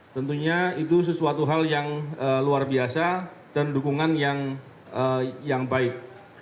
tentunya itu sesuatu hal yang luar biasa dan dukungan yang baik